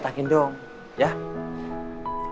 yang akan margaret qrk